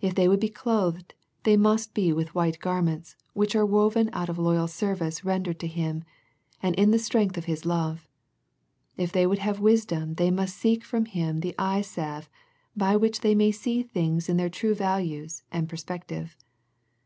If they would be clothed, it must be with white garments, which are woven out of loyal service rendered to Him, and in the strength of His love. If they would have wisdom they must seek from Him the eye salve by which they may see things in their true values and perspective.